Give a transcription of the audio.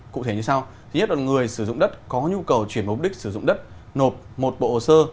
cụ thể như sau thứ nhất là người sử dụng đất có nhu cầu chuyển mục đích sử dụng đất nộp một bộ hồ sơ